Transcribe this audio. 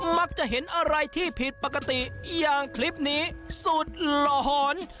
มักจะเห็นอะไรที่ผิดปกติอย่างคลิปนี้สุดหลอน